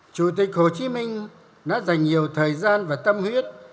chủ tịch hồ chí minh đã dành nhiều thời gian và tâm huyết